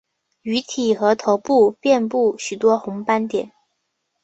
鱼体和头部遍布许多红斑点。